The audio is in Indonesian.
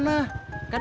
kan udah pulang kemaren